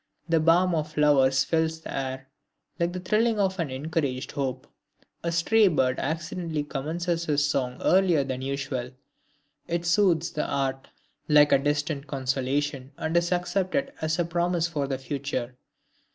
The balm of flowers fills the air, like the thrilling of an encouraged hope. A stray bird accidentally commences his song earlier than usual, it soothes the heart like a distant consolation, and is accepted as a promise for the future.